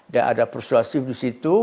dan ada persuasif di situ